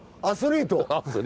アスリート。